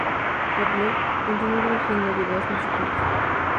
Godley continuó dirigiendo videos musicales.